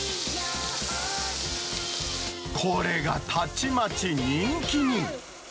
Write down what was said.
これがたちまち人気に。